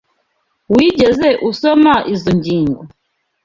Wigeze usoma izoi ngingo?